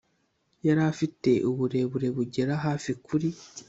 yari afite uburebure bugera hafi kuri